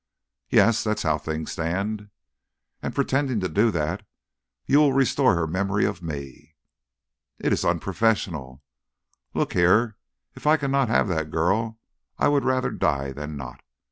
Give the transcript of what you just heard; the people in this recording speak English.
"Yes that's how things stand." "And, pretending to do that, you will restore her memory of me." "It's unprofessional." "Look here! If I cannot have that girl I would rather die than not.